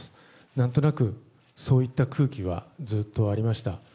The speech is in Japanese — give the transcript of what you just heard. なんとなくそういった空気はずっとありました。